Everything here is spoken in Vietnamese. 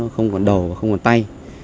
không còn đầu không còn tay